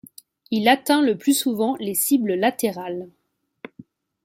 Il atteint le plus souvent les cible latérales.